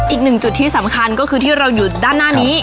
อีกหนึ่งจุดที่สำคัญก็คือที่เราอยู่ด้านหน้านี้